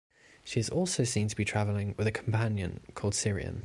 She is also seen to be travelling with a companion called Cyrian.